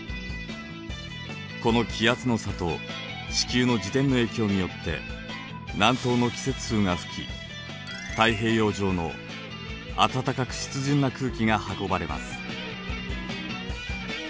この気圧の差と地球の自転の影響によって南東の季節風が吹き太平洋上の暖かく湿潤な空気が運ばれます。